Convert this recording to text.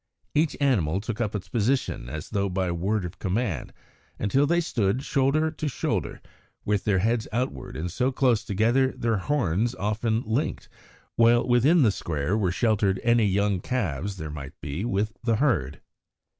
Each animal took up its position as though by word of command, until they stood, shoulder to shoulder, with their heads outward and so close together that their horns often linked, while within the square were sheltered any young calves there might be with the herd.